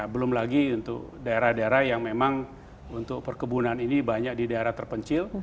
belum lagi untuk daerah daerah yang memang untuk perkebunan ini banyak di daerah terpencil